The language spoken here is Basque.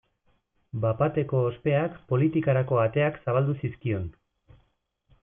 Bat-bateko ospeak politikarako ateak zabaldu zizkion.